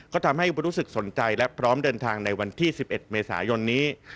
ก็ทำให้รู้สึกสนใจและพร้อมเดินทางในวันที่๑๑เมษายนนี้